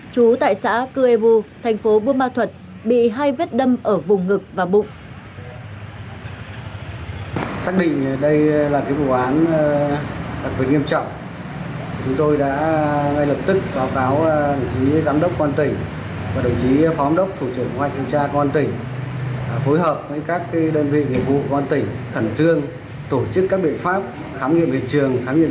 chú tại xã cư e bu thành phố bù ma thuật bị hai vết đâm ở vùng ngực và bụng